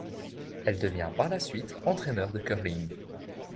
Elle devient par la suite entraîneur de curling.